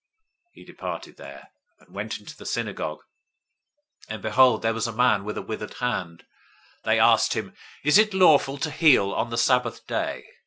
012:009 He departed there, and went into their synagogue. 012:010 And behold there was a man with a withered hand. They asked him, "Is it lawful to heal on the Sabbath day?"